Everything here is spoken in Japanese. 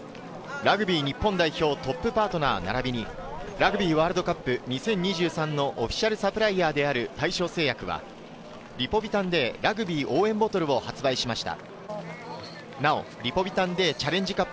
ラグビー日本代表トップパートナーならびに、ラグビーワールドカップ２０２３のオフィシャルサプライヤーである大正製薬は、リポビタンＤラグビー応援ボトルを発売しました。